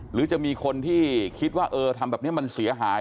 หรือจะมีคนที่คิดว่าเออทำแบบนี้มันเสียหาย